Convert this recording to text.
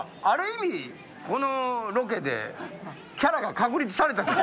ある意味このロケでキャラが確立された。